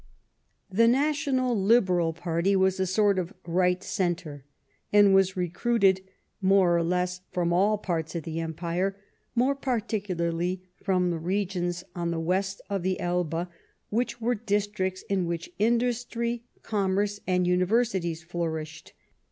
The National Liberal Party was a sort of Right Centre, and was recruited more or less from all parts of the Empire, more particularly from the regions on the west of the Elbe, which were districts in which industry, commerce and universities flourished.